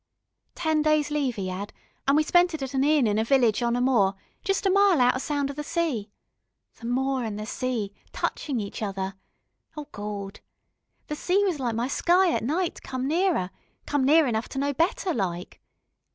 Ten days leave 'e 'ad, an' we spent it at an inn in a village on a moor, jest a mile out o' sound of the sea. The moor an' the sea, touchin' each other. ... Oh Gawd!... The sea was like my sky at night come nearer come near enough to know better, like.